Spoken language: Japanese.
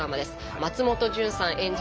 松本潤さん演じる